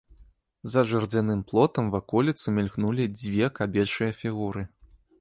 За жардзяным плотам ваколіцы мільганулі дзве кабечыя фігуры.